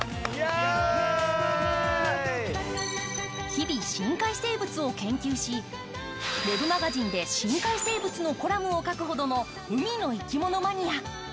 日々、深海生物を研究しＷｅｂマガジンで深海生物のコラムを書くほど深海生物マニア。